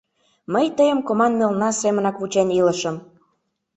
Мый тыйым команмелна семынак вучен илышым.